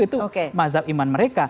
itu mazhab iman mereka